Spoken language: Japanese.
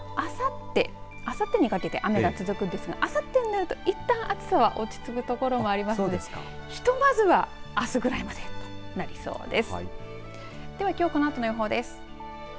あさってにかけて雨が続くんですがあさってになるといったん暑さは落ち着くところもありますのでひとまずはあすぐらいまでとなりそうです。